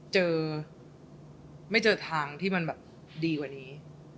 เจอไม่เจอทางที่มันแบบดีกว่านี้